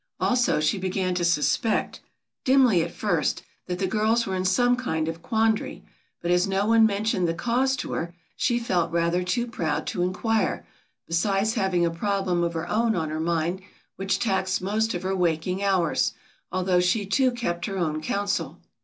Also she began to suspect, dimly at first, that the girls were in some kind of quandary, but as no one mentioned the cause to her, she felt rather too proud to inquire, besides having a problem of her own on her mind which taxed most of her waking hours, although she too kept her own counsel.